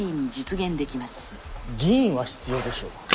議員は必要でしょう。